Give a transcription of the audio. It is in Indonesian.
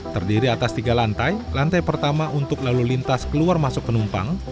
terdiri atas tiga lantai lantai pertama untuk lalu lintas keluar masuk penumpang